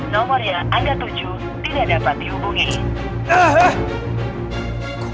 nomor yang anda tuju tidak dapat dihubungi